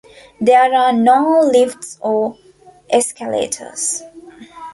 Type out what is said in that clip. There are no lifts or escalators.